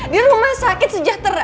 di rumah sakit sejahtera